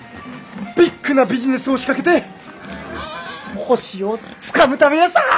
ビッグなビジネスを仕掛けて星をつかむためヤサ！